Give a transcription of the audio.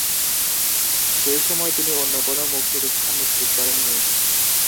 সেই সময় তিনি অন্য কোন মুক্তির স্থান নিশ্চিত করেননি।